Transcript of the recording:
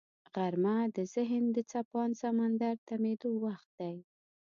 غرمه د ذهن د څپاند سمندر تمېدو وخت دی